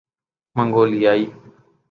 منگولیائی